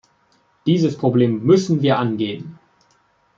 Dieses Problem müssen wir angehen.